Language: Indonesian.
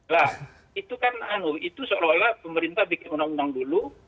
lah itu kan itu seolah olah pemerintah bikin undang undang dulu